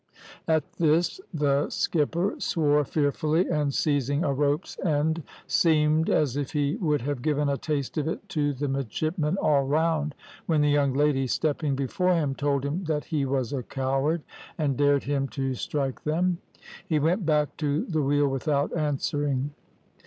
"At this the skipper swore fearfully, and, seizing a rope's end, seemed as if he would have given a taste of it to the midshipmen all round, when the young lady, stepping before him, told him that he was a coward, and dared him to strike them. He went back to the wheel without answering.